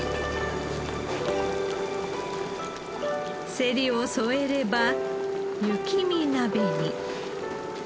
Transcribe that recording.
セリを添えれば雪見鍋に。